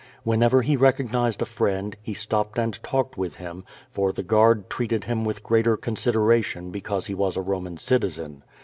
Whenever he recog' nized a friend, he stopped and talked with him, for the guard treated him with greater consideration because he was a Boman citizen.